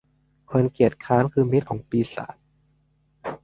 คนเกียจคร้านคือมิตรของปีศาจ